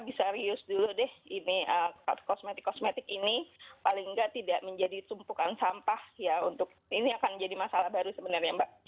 bisa reuse dulu deh ini kosmetik kosmetik ini paling tidak tidak menjadi tumpukan sampah ya untuk ini akan menjadi masalah baru sebenarnya mbak